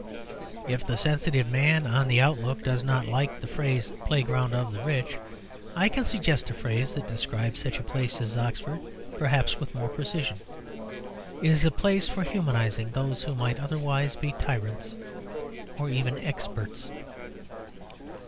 If the sensitive man on the Outlook does not like the phrase, "Playground of the rich," I can suggest a phrase that describes such a place as Oxford perhaps with more precision. It is a place for humanising those who might otherwise be tyrants, or even experts.